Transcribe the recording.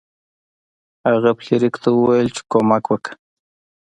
هغه فلیریک ته وویل چې کومک وکړه.